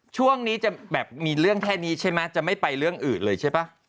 ช่วงนี้จะแบบมีเรื่องแค่นี้ใช่ไหมจะไม่ไปเรื่องอื่นเลยใช่ป่ะ